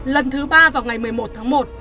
lần thứ ba vào ngày một mươi một tháng một